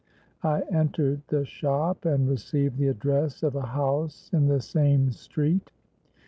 I entered the shop, and received the address of a house in the same street.